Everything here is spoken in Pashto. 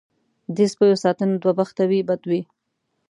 دې سپیو ساتنه دوه بخته وي بد وي.